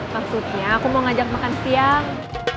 maksudnya aku mau ngajak makan siang